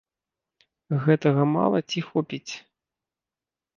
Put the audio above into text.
Гэтага мала ці хопіць?